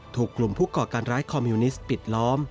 ถูกกลุ่มผู้ก่อการร้ายคอมมิวนิสต์ปิดล้อม